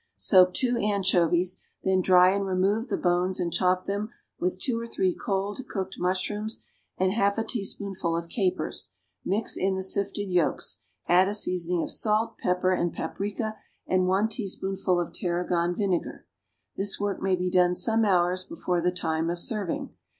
Soak two anchovies, then dry and remove the bones and chop them with two or three cold cooked mushrooms and half a teaspoonful of capers; mix in the sifted yolks, add a seasoning of salt, pepper and paprica, and one teaspoonful of tarragon vinegar. This work may be done some hours before the time of serving.